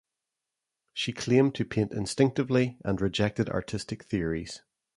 She claimed to paint instinctively and rejected artistic theories.